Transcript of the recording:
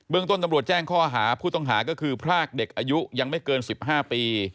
ต้นตำรวจแจ้งข้อหาผู้ต้องหาก็คือพรากเด็กอายุยังไม่เกิน๑๕ปี